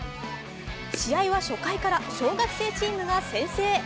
試合は初回から小学生チームが先制。